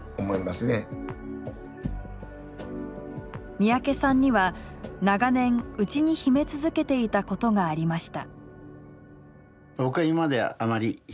三宅さんには長年内に秘め続けていたことがありました。